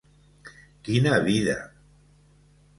Quina vida!